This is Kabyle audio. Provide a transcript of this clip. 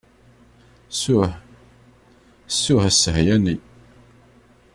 Ssuh, ssuh ssehyani.